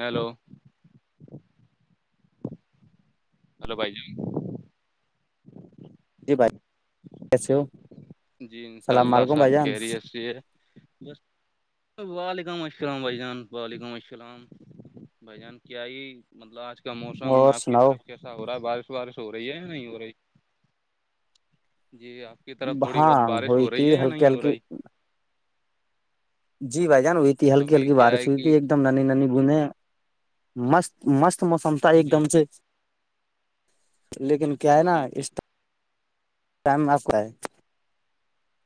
hello hello بھائی جی جی بھائی کیسے ہو ج جی انشاء السلام اللہ علیکم سب بھائی جان خریت سے ہے بس وعلیکم السلام بھائی جان وعلیکم السلام بھائی جان کیائی مطلب آج کا موسم اور آپ کی سناؤ طرف کیسا ہو رہا ہے بارش وارش ہو رہی ہے یا نہیں ہو رہی جی آپ کی طرف تھوڑی بہت ہاں بارش ہو ہوئی رہی تھی ہے یا ہلکی نہیں ہو ہلکی رہی جی بھائی جان وہئی تھی ہلی ابھی ہلکی کیا بارش ہے ہوئی تھی کہ ایک ایک دم نانی ن بنے مست مست موسم تھا ایک جی دم سے جی لیکن کیا ہے نا جی جی اس ٹیئم مست ہے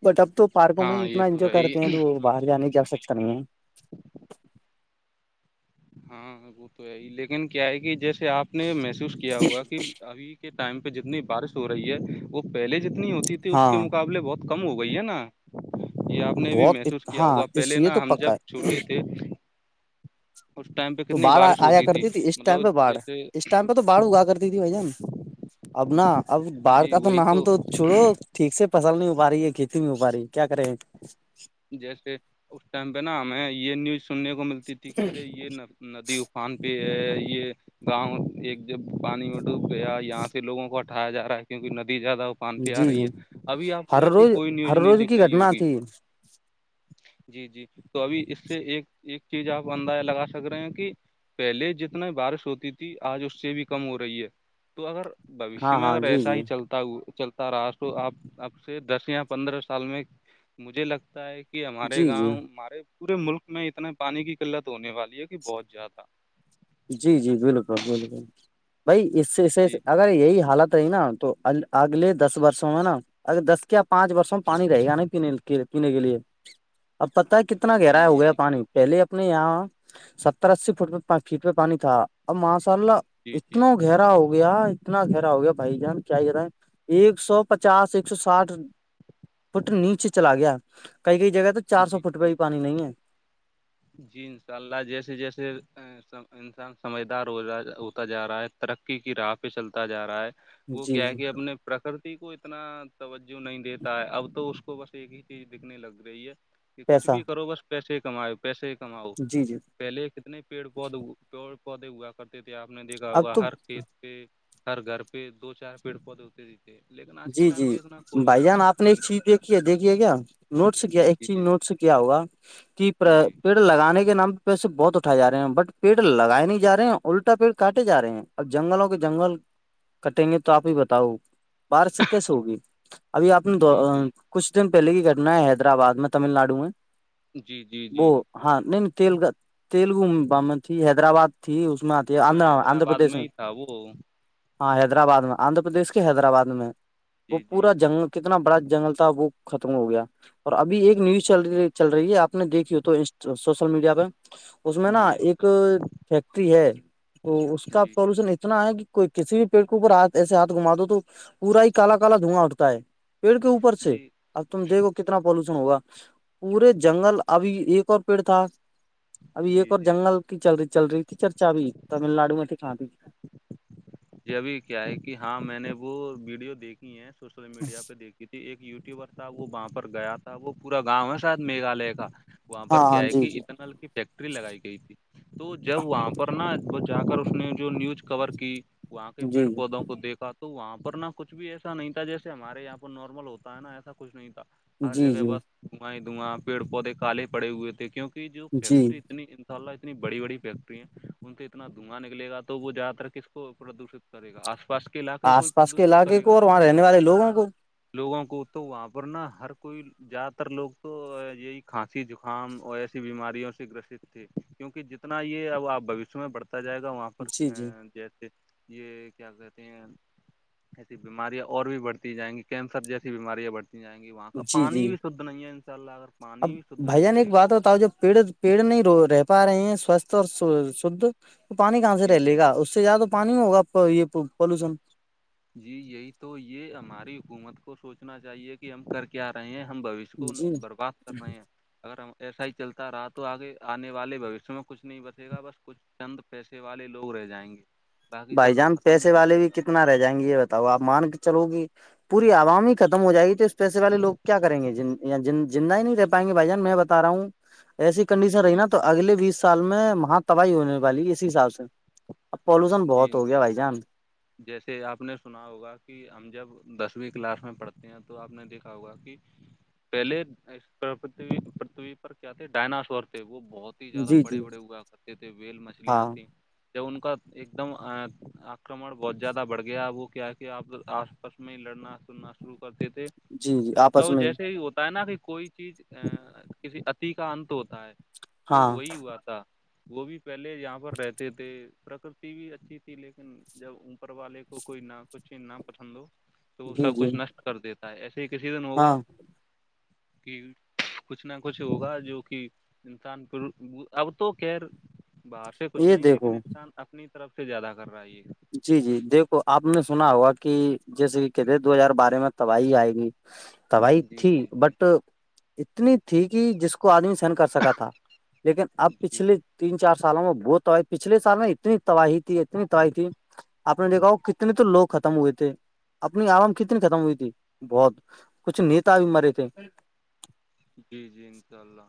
بٹ اب تو پارکوں میں ہاں یہ اتنا تو انجوائے ہے ہی کرتے ہیں تو باہر جانے کی ج سکتا نہیں ہے [unintelligible] ہاں وہ تو ہے ہی لیکن کیا ہے کہ جیسے آپ نے محسوس کیا ہوا کہ ابھی کے ٹائم پہ جتنی بارش ہو رہی ہے وہ پہلے جتنی ہوتی تھی اس کے ہاں مقابلے بہت کم ہو گئی ہے نا یہ آپ نے بھی بہت محسوس کیا ہاں ہوگا اس پہلے یہ تو نا ہم پکا جب ہے چھوٹے تھے اس ٹائم پہ تو کتنی باھ بارش آیا ہوتی کرتی تھی اس ٹائم مطلب پہ بڑھ جیسے اس ٹائم پہ تو باڑ اگا کرتی تھی بھائی جان اب ن اب باڑ جی کا تو وہی نام تو چھڑو ٹھیک سے فصل نہیں ہو پا رہی ہے کھیتی نہیں ہو پا رہی ہے کیا کر رہے ہیں جیسے اس ٹائم پہ نا ہمیں یہ نیوز سننے کو ملتی تھی کہ ارے یہ نہ ندی افان پہ ہے یہ گاؤں ایک جب پانی میں ڈوب گیا یہاں سے لگوں کو ہٹایا جا رہا ہے کیونکہ ندی زیادہ پان پہ جی آ جی رہی ہے ابھی آ کو ہر ایسی روز کوئی نیوز ہر نہیں روز دیککھ کی رہی گھٹنا ہوگی تھی جی جی تو ابھی اس سے ایک ایک چیز آپ اندازہ لگا سک رہے ہیں کہ پہلے جتنا بارش ہوتی تھی آج اس سے بھی کم ہو رہی ہے تو اگر بھشیہ ہاں میں ہاں اگر جی ایسا جی ہی چلتا چلتا رہا تو آ اب سے دس یا پندرہ سال میں مجھے لگتا ہے کہ کہ ہمارے جی گاؤں جی ہمارے پورے ملک میں اتنانے پانی کی قلت ہونے والی ہے کہ بہت زیادہ جی جی بالکل بالکل بائی اس سے اس سے جی اگر یہی حالت رہی نا تو اگلے دس برسوں میں نا اگر دس یا پانچ برسوں میں جی پانی رہے گا نہیں پینے ل تو پینے کے لیے اب پت ہے کتنا جی گہرایا ہو گیا یہی پانی تو پہلے اب اپنے یہاں ستر اسی فٹ فٹ پ پانی تھا اب ماشاء اللہ جی جی اتنا گہرا ہو گیا اتنا گہرا ہو گیا بھائی جان کیا کہ رہا ہیں ایک سو پچاس ایک سو ساٹھ فٹ نیچے چلا گیا کئی کئی جگہ تو چار سو جی فٹ پہ جی ہی پانی نہیں ہے جی انشاء اللہ جیسے جیسے انسان سمجھدار ہوا ہوتا جا رہا ہے ترقی کی راہ پہ چلتا جا رہا ہے وہ جی کیا ہے جی کہ اپنے پرکرتی کو اتنا توجہ نہیں دیتا ہے اب تو اس کو بس ایک ہی چیز دیککھنے لگ رہی ہے کہ کچھ پیسہ بھی کرو بس پیسے کماؤ پیسے کماؤ جی جی پہلے کتنے پیڑ پودے پیڑ پودے ہوا کرتے تھے آپ نے دیکھا اب ہوگا تو ہر کھیت پ ہر گھر پہ دو چار پیڑ پودے ہوتے تھ لیکن آج کے ج ٹائم جی پہ اتنا بھائی جان کوئی آپ نے نہیں ایک چیز رکھتا دیکھی ہے دیکھیے کیا نوٹ سے کیا جی ایک جی چیز جی نوٹ سے کیا ہوگا کہ پر جی پ پیڑ لگانے کے نام پیسے بہت اٹھائے جا رہے ہیں بٹ پیڑ لگائے نہیں جا رہے ہیں الٹا پیڑ کاٹے جا رہے ہیں اب جنگلوں کے جنگل کٹیں گے تو آپ ہی بتاؤ بار سے کیسے ہوگی ابھی آپ نے جی جی کچھ دن پہلے ہی کرنا ہے حیدرآباد میں تمل ناڈو میں جی جی وہ جی ہاں نہیں نہیں تیلگ تیلگو ب حیدرآباد تھی اس میں آتی ہاں آندھرا آندھرا حیدرآباد پردیش میں ہی تھا وہ ہاں حیدرآباد میں آندھرا پردیش کے حیدرآباد میں وہ جی جی پورا جی جنگل کتنا بڑا جنگل تھا وہ ختم ہو گیا اور ابھی ایک نیوز چل جی رہ چل رہی ہے آپ نے دیکھی ہو تو سوشل میڈیا پہ اس میں نا جی جی ایک فیکٹری ہے تو اس کا جی سولوشن اتنا ہے کہ کوئی کسی بھی پیڑ کے اوپر ہاتھ ایسے ہاتھ گھما دو تو پورا ہی کال کال دھواں اٹتا ہے پیڑ کے اوپر پر سے جی اب تم دیکھو کہ کتنا پالوشن ہوگا پورے جنگل ابھی ایک اور پیڑ تھا ابھی ایک جی اور جی جنگل کی چل رہی چل رہی تھی چرچا ابھی تمل ناڈو میں ت کہاںتی تھی جی ابھی کیا ہے کہ ہاں میں نے وہ ویڈیو دیکھی ہے سوشل میڈیا پہ دیکھی کیہ ایک یوٹیوبر تھا وہ وہاں پر گیا تھا وہ پورا گاؤں ہے شاید میگھالیہ کا وہاں ہاں پر ہاں کیا ہے جی کہ جی اتناک فیکٹری لگائی گئی تھی تو جب وہاں پر نا تو جا کر اس نے جو نیوج کور کی وہاں کے جی پیڑ پودوں کو دیکھا تو وہاں پر نا کچھ بھی ایسا نہیں تھا جیسے ہمارے یہاں پر نارمل ہوتا ہے نا ایسا کچھ نہیں تھا ہر جی جگہ جی بس دھواںیں ہی دھواں پیڑ پودے کالے پڑے ہوئے تھے کیونکہ جو جی فیکٹری اتنی ان شاء اللہ اتنی بڑی بڑی فیکٹری ہیں ان سے اتنا دھواںا نکل گا تو وہ زیادہ تر کس کو پردوشت کرے گا آس پاس کے علاقے کو آس ہی پاس کے پردوشت علاقے کرے کو گا اور وہاں رہنے والے لوگوں کو لوگوں کو تو واپورنا ہر کوئی زیادہ تر لوگ تو یہی کھانسی زکام اور ایسی بیماریوں سے گرستے کیونکہ جتنا یہ اب آپ بوشیہ میں بڑھتا جائے گا وہاں پر جی جی جیسے یہ کیا کہتے ہیں ایسی بیماریاں اور بھی بڑھتی جائیں گی کینسر جیسی بیماریاں بڑتی جیں گی وہاں کا جی پانی جی بھی شدھ نہیں ہے ان شاء اللہ اگر اب پانی بھی شدھ بھ نہیں جان ایک رہے گا بات ہوتاؤ جو پیڑ پیڑ نہیں رہ پا رہے ہیں سوستھ اور شھ تو پانی کہاں سے جی رہ لے جی گا اس سے زیادہ پانی ہوگا آپ کا یہ پالوشن جی یہی تو یہ ہماری حکومت کو سوچنا چاہیے کہ ہم کر کیا رہے ہیں ہم بوش اس کو جی برباد کر رہے ہیں اگر ہم ایسا ہی چلتا رہا تو آگے آنے والے بھشیہ میں کچھ نہیں بتے گا بس کچھ چند پیسے والے لوگ رہ جائیں گے باقی سب بھائی تو جان ختم ہی پیسے ہو والے جائے بھی گا کتنا رہ جائیں گے یہ ب تب آپ مان کے چلو گی پوری عوامی ختم ہو جائے گی تو اس پیسے والے لوگ کیا کریں گے جن زند ہ ہی نہیں رہ پائیں گے بائی جان میں بتا رہا ہوں ایسی جی کنڈیشن رہی جی نا تو اگلے بیس سال میں وہاں تباہی ہونے والی اسی حساب سے اب پولوشن جی جیسے آپ نے سنا ہوگا کہ ہم جب دسویں کلاس میں پڑھتے ہیں تو آپ نے دیکھا ہوگا کہ پہلے اس پرتھوی پر کیا تھے ڈائناسور تھے وہ بہت زیادہ جی بڑے جی بڑے ہوا کرتے تھے ویل ہاں مچھلیاں تھیں جب ان کا ایک دم آکرمن بہت زیادہ بڑھ گیا اب وہ کیا کہ اب آس پس میں ہی لڑنا سننا شروع کرتے تھے جی جی تو آپس مطلب میں جیسے ہی ہوتا ہے نا کہ کوئی چیز ا کسی اچ تی کا انت ہوتا ہے تو ہاں وہی ہوا تھا وہ بھی پہلے جہاں پر رہتے تھے پرکرتی بھی اچھی تھی لیکن جب اوپر والے کو کوئی نہ کچھ نہ پسند ہو تو وہ جی سب جی کچھ نشٹ کر دیتا ہے ایسے ہی کسی دن ہوگا ہاں کہ کچھ نہ کچھ ہوگا جو کہ انسان پ اب تو خیر باہر سے کچھ یہ نہیں لیکن دیکھو انسان اپنی طرف سے زیادہ کر رہا ہے یہ جی جی دیکھو آپ نے سنا ہوا کہ جیسے کہ کہتے ہیں دو ہزار بارہ میں تباہی آئے گی تباہی جی تھی جی جی بٹ اتنی تھی کہ جس کو کو آدمی سہن کر سکا تھا لیکن اب جی پچھلے تین چار سالوں میں بہت تباہی پچھلےال میں اتنی تباہی تھی اتنی تباہی تھی آپ نے دیکھا ہو کتنے تو لوگ ختم ہوئے تھے اپنی آرام کتنی ختم ہوئی تھی بہت کچھ نیتا بھی مرے تھے جی جی انشاء اللہ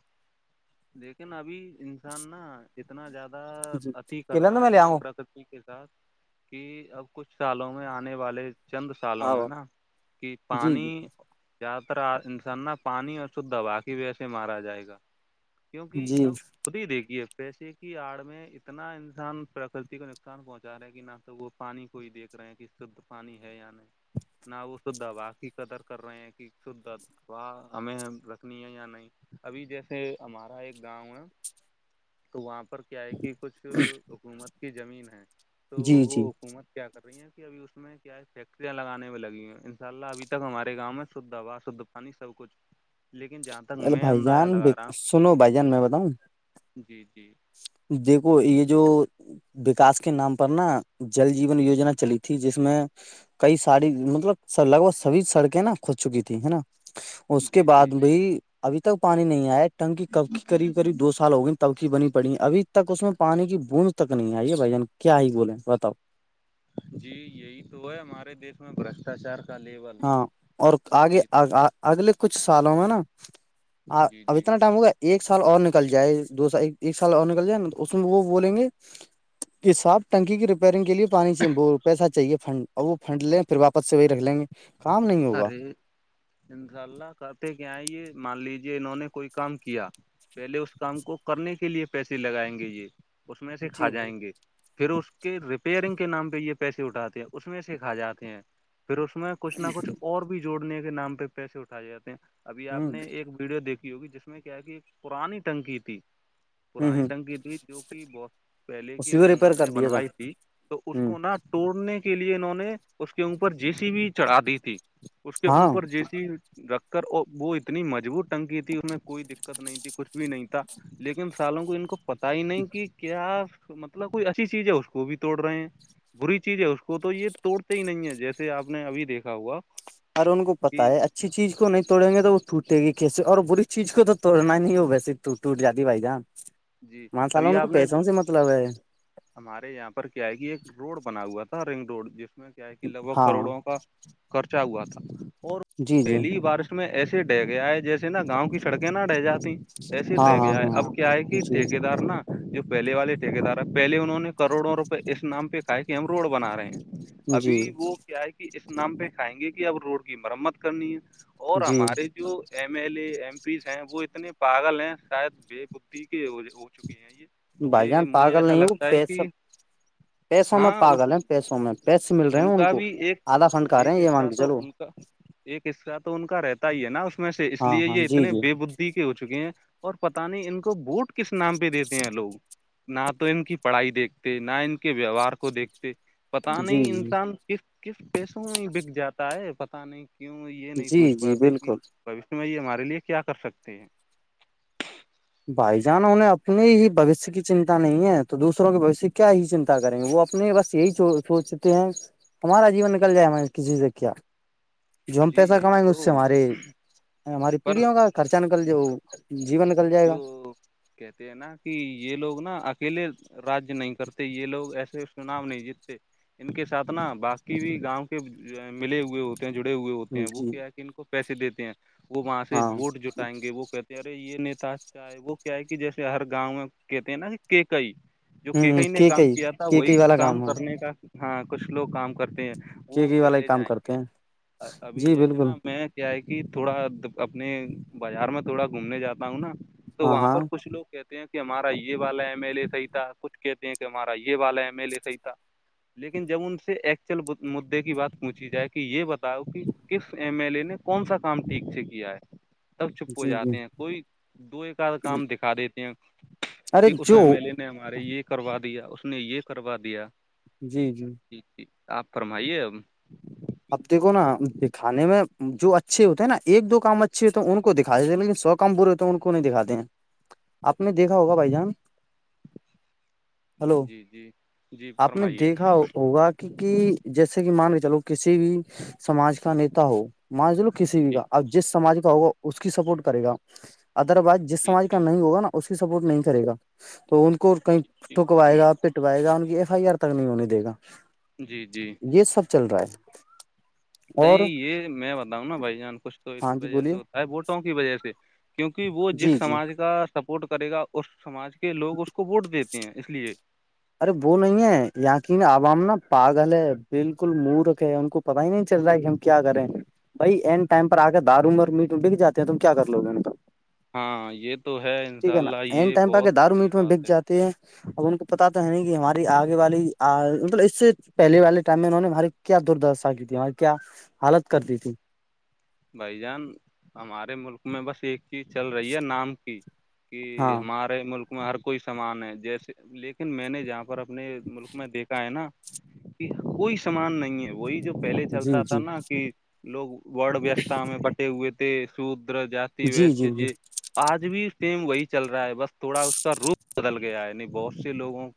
لیکن ابھی انسان نا اتنا زیادہ جی اتیھی کر کلند رہا میں ہے لے نا آؤں پرک کے ساتھ کہ اب کچھ سالوں میں آنے والے چند سالوں ہاں میں نا کہ جی پانی جی زیادہ تر انسان نہا پانی اور سود دبا کی وجہ سے مارا جائے گا کیونکہ جی اب خود ہی دیکھیے پیسے کی آڑ میں اتنا انسان پرکتی کو نقصان پہنچا رہا ہے کہ نہ تو وہ پانی کو ہی دیکھ رہے ہیں کہ شھ پانی ہے یا نہیں نہ وہ سد باقی قدر کر رہے ہیں کہ سد تواہ ہمیں رکھنی ہے یا نہیں ابھی جیسے ہمارا ایک گاؤں ہے تو وہاں پر کیا ہے کہ کچھ حکومت کی زمین ہے تو جی جی وہ حکومت کیا رہی ہیں کہ اب اس میں کیا فیکٹریا لگانے میں لگی ہیں ان شاء اللہبھی تک ہمارے گؤں میں شدھ ہ ہوا شدھ سب کچھ لیکن جہاں تک ارے میں بھائی اندازہ جان لگا رہا ہوں سنو کہ بھائی جان میں بتاؤں جی جی دیکھو یہ جو وکاس کے نام پر نا جل جیون یوجنا چلی تھی جس میں کئی ساری مطلب لگ بھگ سبھی سڑکیں نا کھج چکی تھی نا اس کے جی بعد جی بھی ابھی تک پانی نہیں آیا ہے ٹنکی کب کی قریب قریب دو سال ہو گئی تب کی بنی پڑی ابھی تک اس میں پانی کی بوند تک نہیں آئی بھائی جان کیا ہی بولے بتاؤ جی یہی تو ہے ہمارے دیش میں برشٹاچار کا لیول ہاں اور آگے کی اگلے کچھ سالوں میں نا جی اب جی اتنا ٹائم ہوگا ایک سال اور نکل جائے دو سال ایک سال اور نکل جائے نا تو اس میں وہ بولیں گے یہس آب نکی کی ریپیئرنگ کے لیے پانی سے پیسہ چاہیے فنڈ ا وہ فنڈ لیں پھر واپس سے وہی رہ لیں گے کام نہیں ہوگا ارے انشاء اللہ کرتے کہ آئی یہ مان لیجیے انہوں نے کوئی کام کیا پہلے اس کام کو کرنے کے لے پیسے لگائیں گے یہ اس میں سے جی کھا جی جائیں گے پھر اس کے ریپیئرنگ کے نام پہ یہ پیسے اٹھاتے ہیں اس میں سے کھا جاتے ہیں پھر اس میں کچھ نہ کچھ اور بھی جوڑنے کے نام پہ پیسے اٹھائے جاتے ہیں ابھی آپ ہوں نے ایک ویڈیو دیک ہوگی جس میں کیا ہے کہ ایک پرانی ٹنگک تھی ہ پرانی ہ تنگی تھی جو کہ بہت پہلے کی اسی کو ریپیئر حکومت کر نے دیے گا بنوائی تھی تو اس ہ کو نہ توڑنے کے لیے انہوں نے اس کے اوپر جی سی بھی چڑھا دی تھی اس کے ہاں اوپر جیسی رکھ کر وہ اتنی مجبوط ٹنگ کی تھی اس میں کوئی دقت نہیں تھی کچھ بھی نہیں تھا لیکن سالوں کو ان کو پتا ہی نہیں کہ کیا آپ مطلب کوئی اچھی چیز ہے اس کو بھی توڑ رہے ہیں بری چیز ہے اس کو تو یہ توڑتے ہی نہیں ہے جیسے آپ نے ابھی دیکھا ہوا اورر ان کو پت کہ ہے اچھا اچھی چیز کو نہیں توڑیں گے تو وہ ٹوٹے گی کیسے اور بری چیز کو توڑنا ہی نہیں ہو ویسے ٹوٹ ٹوٹ جاتی بھائی جان جی ماں ساالا ابھی ان کو آپ نے پیسوں سے مطلب ہے ہمارے یہاں پر کیا ہے کہ ایک روڈ بنا ہوا تھا رنگ روڈ جس میں کہ لگ بھگ ہاں کروڑوں کا خرچہ ہوا تھا اور جی جی پہلی بارش میں ایسے ڈ گیا ہے جیسے نا گاؤں کی سڑکیں نہ رہ جاتی ایسے ہاں رہ ہاں گیا ہے ہاں اب کیا ہے تے جی گئے ٹھ دار نا جو پہل والے ٹھیک دار ہے پہلے انہوں نے کروڑوں روپئے اس نام پہ کہا کہ ہم روڈ بنا رہے ہیں جی ابھی وہ کیا ہے کہ اس نام پہ کھائیں گے کہ اب روڈ کی مرمت کرنی ہے اور جی ہمارے جو M L A M Ps ہیں وہ اتنے پاگل ہیں شاید بے ک پ ہو چک ہیں یہ بھائی یہ جان مجھے پاگل ایسا نہیں وہ لگتا ہے پیسہ کہ پیسوں میں ہاں پاگل ہیں پیسوں میں پیسے مل رہے ان ہیں کا کو بھی ایک آدھا فنڈ کا رہے ایک ہیں یہ مان حصہ کے تو چلو ان کا ایک حصہ تو ان کا رہتا ہی ہے نا اس میں سے اس ہاں لیے ہاں یہ جی اتنے جی بے بھ ہو چکے ہیں اور پتہ نہیں ان کو بوٹ کس نام پہ دیتے ہیں لوگ نہ تو ان کی پڑھائی دیکھتے نہ ان کے ویوہار کو دیکھتے پتا جی نہیں جی انسان کس کس پیسوں میں بک جاتا ہے پتا نہیں کیوں یہ نہیں جی سوچ جی پاتے کہ بالکل بوش میں یہ ہمارے لیے کیا کر سکتے ہیں بھائی جان انہیں اپنے ہی بوشیہ کی چنتا نہیں ہے تو دوسروں کے بھیہ کی کیا ہی چن تا کریں گے وہ اپنے بس یہی سوچتے ہیں ہمارا جیو نکل جائےہمیں کسی سے کیا جو ہم جی پیسہ یہی کمائیں گے اس سے تو ہمارے ہماری پر پیڑھیوں کا خرچہ نکل جو جی جو کہتے ہیں نا کہ یہ لوگ نا اکیلے راجیہ نہیں کرتے یہ لوگ ایسے اس کا نام نہیں جیتتے ان کے ساتھ نا باقی بھی گاؤں کے ملے ہوئے ہوتے جڑے ہوئے ہوتے ہیں وہ جی کیا کہ ان کو پیسے دیتے ہیں وہاں سے ہاں ووٹ جٹائیں گے وہ کہتے ہیں یہ نیتا چاہے وہ کیا ہے کہ جیسے ہر گاؤں میں کہتے ہیں نا کہ کئی جو ہ کیکئی نے کی کام کئی کیا تھا کی وہی کئی والا کام ہے کرنے کا ہاں کچھ لوگ کام کرتے ہیں کی وہ کئی والا ہی پہلے کام جائیں گے کرتے ہیں ابھی جی جیسے بالکل نا میں کیا ہے کہ تھوڑا اپنے بازار میں تھوڑا گھومنے جاتا ہوں نا تو ہاں وہاں ہاں پر کچھ لوگ کہتے ہیں کہ ہمارا یہ والا ایم ایل اے صحیح تھا کچھ کہتے ہیں کہ ہمارا یہ والا ایم ایل لے صحی تھا لیکن جب ان سے ایکچوئل مدے کی بات پوچھی جائے کہ یہ بت تاؤ کہ کس ایم ایل لے نے کون سا کام ٹھیک سے کیا ہے تب چپ ہو جی جا جی کوئی دو ایک آد کام دکھا دیتے ہیں ارے کہ اس جو ایم ایل لے میں نے ہمارے یہ کروا دیا اس نے یہ کروا دیا جی جی ٹھیک ٹھیک آپ فرمائیے اب دیکھو نا دکھانے میں جو اچھے ہوتے ہیں نا ایک دو کام اچھے ہوتے ہیں ان کو دکھا دیتے ہیں لیکن سب کم برے ہو تو ان کو نہیں دکھاتے ہیں آپ نے دیکھا ہوگا بھائی جان [inaudible] ہلو جی جی جی آپ نے فرمائیے دیکھا ہوگا کی کہ جیسے کہ مان لو چلو کسی بھی سماج کا نیتا ہو مان لو کسی بھی کا جی اب جس سماج کا ہوگا اس کی سپورٹ کرے گا ادر وائز جس جی سمج کا جی نہیں ہوگا نا اس کی سپورٹ نہیں کرے گا تو ان کو کہیں جی ٹھکوائے گا پٹوائے گا ان کی ایف آئی آر تک نہیں ہونے دے گا جی جی یہ سب چل رہا ہے اور کہیں یہ میں بتاؤں نا بھائی جان کچھ تو اس ہاں جی وجہ سے بولیے ہوتا ہے وٹوں کی وجہ سے کیونکہ وہ جس جی جی سماج کا سپورٹ کرے گا اس سماج کے لوگ اس کو ووٹ دیتے ہیں اس لیے ارے وہ نہیں ہے یقین عوام نا پاگل ہے بالکل مورک ہے ان کو پتا ہی نہیں چل رہا ہے کہ ہم کیا کریں بائی اینڈ ٹائم پر آ کے دار اور میٹ بک جے ہیں تم کیا کر لو گے ان پر ہاں یہ تو ہے ان شاء اللہ این یہ ٹائم پہ آ بہت کے دارو بڑی میٹ میں بات بک ہے تے جاتے ہے اب ان کو پت تو ہے نہیں کہ ہماری آگے والی مطلب اس سے پہل والے ٹائم میں انہوں نے ہماری کیا دردشا کی تھی ہماری کیا حالت کرتی تھی بھائی جان ہمارے ملک میں بس ایک چیز چل رہی ہے نام کی ہاں کہ ہمارے ملک میں ہر کوئی سامان ہے جیسے لیکن میں نے جہاں پر انہیں ملک میں دیکھا ہے نا کہ کوئی سامان نہیں ہے وہی جو پہلے جی چلتا تھا جی نا کہ لوگ وڈ وس بٹے ہوئے تھے سودر جی ویس ج آج بھی ٹیم وہی چل رہا ہے بس تھوڑا اس کا روپ بدل گیا ہے بہت سے لوگوں